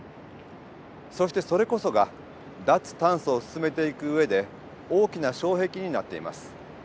そしてそれこそが脱炭素を進めていく上で大きな障壁になっています。